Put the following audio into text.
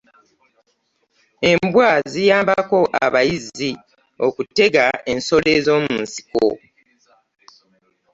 Embwa ziyambako abayizzi okutega ensolo ez'omunsiko.